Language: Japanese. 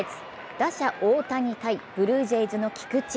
打者・大谷対ブルージェイズの菊池。